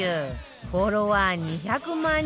フォロワー２００万人超え